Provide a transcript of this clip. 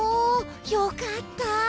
良かった！